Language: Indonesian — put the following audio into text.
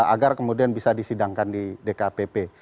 agar kemudian bisa disidangkan di dkpp